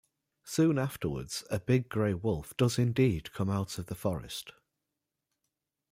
Soon afterwards "a big, grey wolf" does indeed come out of the forest.